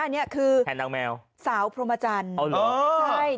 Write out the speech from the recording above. อันนั้นของทางภาคอีสานใช่ไหมฮะ